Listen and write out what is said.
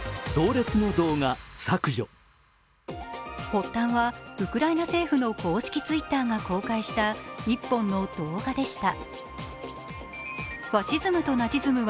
発端はウクライナ政府の公式Ｔｗｉｔｔｅｒが公開した１本の動画でした。